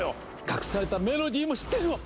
隠されたメロディーも知ってるわ！